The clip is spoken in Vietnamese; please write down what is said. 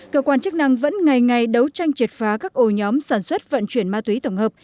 cơ quan chức năng vẫn ngày ngày đấu tranh triệt phá các ổ nhóm sản xuất vận chuyển ma túy tổng hợp